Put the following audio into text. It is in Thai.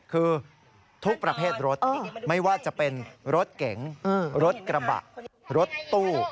คือทุกประเภทรถไม่ว่าจะเป็นรถเก๋งรถกระบะรถตู้